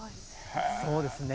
そうですね。